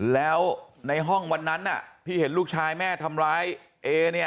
แล้วในห้องวันนั้นที่เห็นลูกชายแม่ทำร้ายเอเนี่ย